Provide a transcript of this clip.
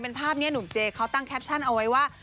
เป็นภาพนี้หนุ่มเจเขาตั้งแคปชั่นเอาไว้ว่า